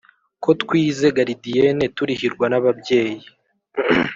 ko twize garidiyene turihirwa n’ababyeyi